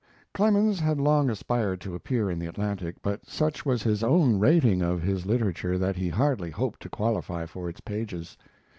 Clemens had long aspired to appear in the Atlantic, but such was his own rating of his literature that he hardly hoped to qualify for its pages.